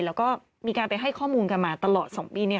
แล้วก็มีการไปให้ข้อมูลกันมาตลอด๒ปี